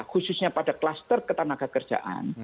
khususnya pada klaster ketanaga kerjaan